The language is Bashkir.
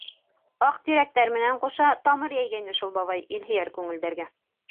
Аҡ тирәктәр менән ҡуша тамыр йәйгәйне шул бабай илһөйәр күңелдәргә.